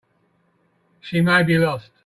She may be lost.